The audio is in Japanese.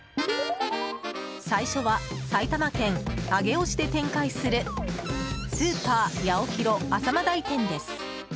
最初は埼玉県上尾市で展開するスーパーヤオヒロ浅間台店です。